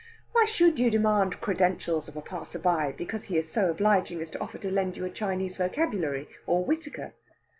Why should you demand credentials of a passer by because he is so obliging as to offer to lend you a Chinese vocabulary or Whitaker?